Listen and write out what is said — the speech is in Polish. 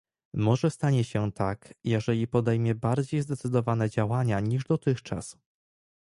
Może stanie się tak, jeżeli podejmie bardziej zdecydowane działania niż dotychczas